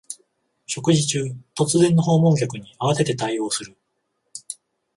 食事中、突然の訪問客に慌てて対応する